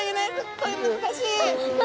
これ難しい！